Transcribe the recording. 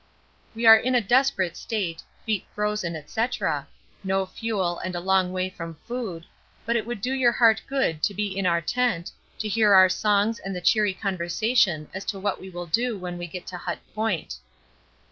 We are in a desperate state, feet frozen, &c. No fuel and a long way from food, but it would do your heart good to be in our tent, to hear our songs and the cheery conversation as to what we will do when we get to Hut Point.